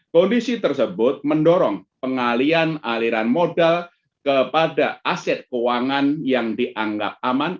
kondisi tersebut mendorong pengalian aliran modal kepada aset keuangan yang dianggap aman